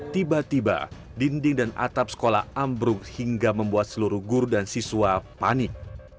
tiba tiba dinding dan atap sekolah ambruk hingga membuat seluruh guru dan siswa panik